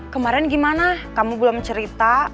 kemarin gimana kamu belum cerita